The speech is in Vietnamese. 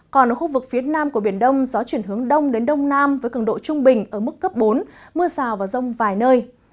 còn ở khu vực phía nam của biển đông gió chuyển hướng đông đến đông nam với cường độ trung bình ở mức cấp bốn mưa rào và rông vài nơi